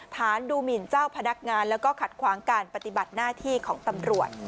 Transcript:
ฐานดูหมินเจ้าพนักงานแล้วก็ขัดขวางการปฏิบัติหน้าที่ของตำรวจ